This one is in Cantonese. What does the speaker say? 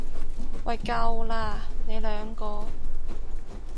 喂夠喇，你兩個！